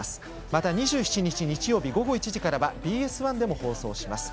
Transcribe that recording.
また２７日、日曜日の午後１時からはＢＳ１でも放送します。